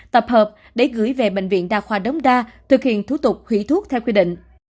tập hợp để gửi về bệnh viện đa khoa đống đa thực hiện thủ tục hủy thuốc theo quy định